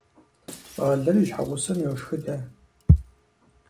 ЩӀалэр и щхьэгъусэм йошхыдэ.